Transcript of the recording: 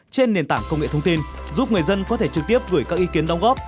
trên nền tảng công nghệ thông tin giúp người dân có thể trực tiếp gửi các ý kiến đóng góp